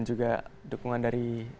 juga dukungan dari